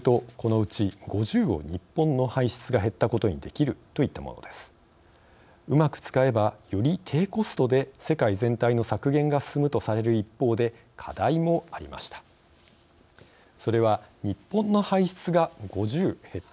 うまく使えば、より低コストで世界全体の削減が進むとされる一方で、課題もありました。